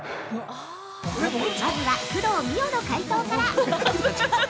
まずは、工藤美桜の解答から！